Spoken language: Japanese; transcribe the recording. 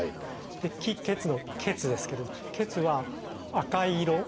で「気・血・水」の「血」ですけど「血」は赤い色をした液体。